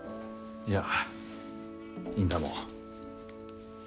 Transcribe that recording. いやいいんだもう。